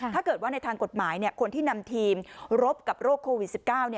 ถ้าเกิดว่าในทางกฎหมายคนที่นำทีมรบกับโรคโควิด๑๙